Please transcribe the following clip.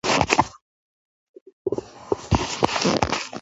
مور مهربانه ده.